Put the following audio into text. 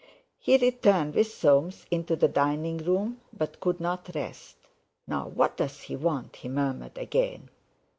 He returned with Soames into the dining room, but could not rest. "Now what does he want?" he murmured again.